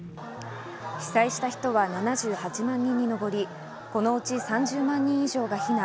被災した人は７８万人に上り、このうち３０万人以上が避難。